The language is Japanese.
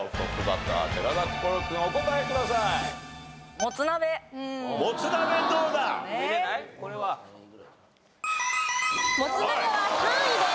もつ鍋は３位です。